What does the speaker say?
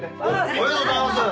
ありがとうございます！